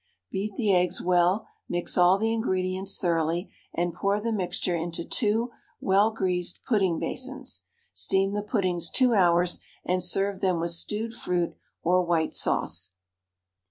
Beat the eggs well, mix all the ingredients thoroughly, and pour the mixture into 2 well greased pudding basins; steam the puddings 2 hours, and serve them with stewed fruit or white sauce.